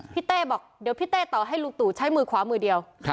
เต้บอกเดี๋ยวพี่เต้ต่อให้ลุงตู่ใช้มือขวามือเดียว